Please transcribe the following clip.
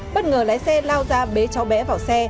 bất ngờ lái xe lao ra bế cháu bé vào xe